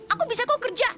aku bisa kok kerja